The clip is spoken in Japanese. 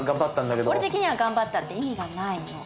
俺的には頑張ったって意味がないの。